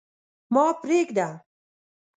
ما پرېږده.